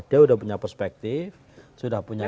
dia sudah punya perspektif sudah punya